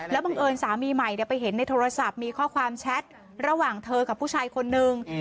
บังเอิญสามีใหม่ไปเห็นในโทรศัพท์มีข้อความแชทระหว่างเธอกับผู้ชายคนนึง